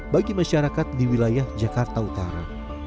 bagi masyarakat di wilayah jakarta utara